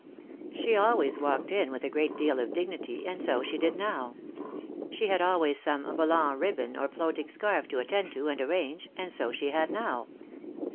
She always walked in with a great deal of dignity, and so she did now. She had always some volant ribbon or floating scarf to attend to and arrange ; and so she had now.